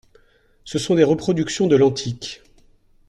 Ce sont des reproductions de l’antique.